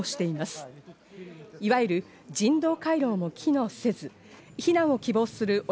いわゆる人道回廊も機能せず、避難を希望する